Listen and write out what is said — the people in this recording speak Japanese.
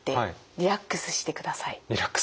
リラックス。